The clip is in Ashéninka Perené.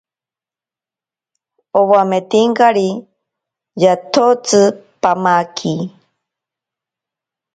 Owametinkari yatsoti pamaki.